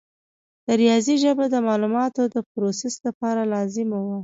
د ریاضي ژبه د معلوماتو د پروسس لپاره لازمه وه.